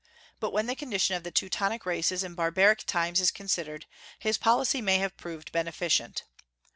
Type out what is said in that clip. But when the condition of the Teutonic races in barbaric times is considered, his policy may have proved beneficent.